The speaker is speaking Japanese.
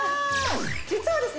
実はですね